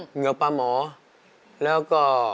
อเจมส์เหงื่อปลาหมอแล้วก็